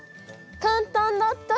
簡単だった！